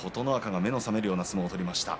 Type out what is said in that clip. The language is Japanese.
目の覚めるような相撲を取りました。